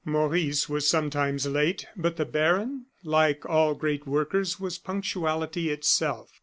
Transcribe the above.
Maurice was sometimes late; but the baron, like all great workers, was punctuality itself.